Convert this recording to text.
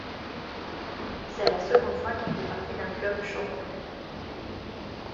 C'est la seconde fois qu'il fait partie d'un club champion.